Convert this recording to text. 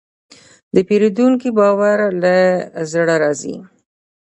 د پیرودونکي باور له زړه راځي.